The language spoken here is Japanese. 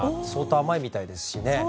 甘いみたいですしね。